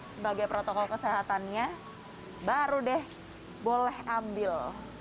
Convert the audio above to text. sebagai protokol kesehatannya baru deh boleh ambil